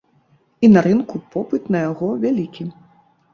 І на рынку попыт на яго вялікі.